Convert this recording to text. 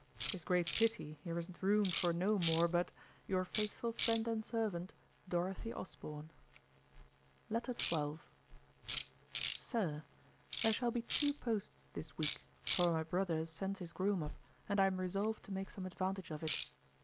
'Tis great pity here is room for no more but Your faithful friend and servant. Letter 12. SIR, There shall be two posts this week, for my brother sends his groom up, and I am resolved to make some advantage of it.